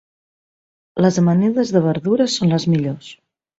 Les amanides de verdures són les millors.